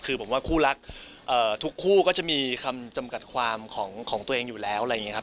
คือผมว่าคู่รักทุกคู่ก็จะมีคำจำกัดความของตัวเองอยู่แล้วอะไรอย่างนี้ครับ